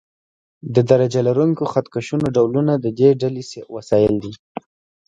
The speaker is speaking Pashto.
د درجه لرونکو خط کشونو ډولونه د دې ډلې وسایل دي.